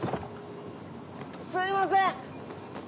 すいません！